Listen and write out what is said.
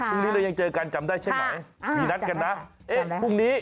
พรุ่งนี้เรายังเจอกันจำได้ใช่ไหมมีนักกันนะ